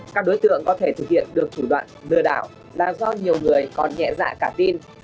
các đối tượng có thể thực hiện được thủ đoạn lừa đảo là do nhiều người còn nhẹ dạ cả tin